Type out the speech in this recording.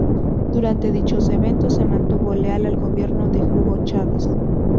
Durante dichos eventos se mantuvo leal al gobierno de Hugo Chávez.